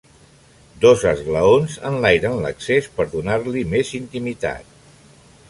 Dos esglaons enlairen l'accés per donar-li més intimitat.